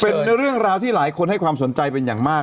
เป็นเรื่องราวที่หลายคนให้ความสนใจเป็นอย่างมาก